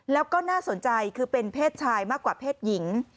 แล้วก็น่าสนใจคือเป็นเพศชายมากกว่าเพศหญิง